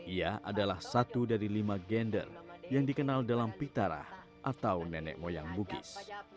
ia adalah satu dari lima gender yang dikenal dalam pitarah atau nenek moyang bugis